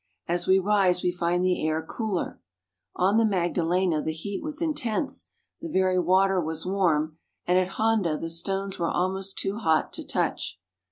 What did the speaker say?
As we rise we find the air cooler. On the Magdalena the heat wa,5 intense, the very water was warm, and at Honda the stones were almost too hot to touch.